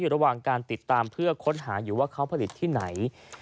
ระหว่างการติดตามเพื่อค้นหาอยู่ว่าเขาผลิตที่ไหน